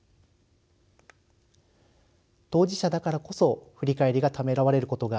当事者だからこそ振り返りがためらわれることがあり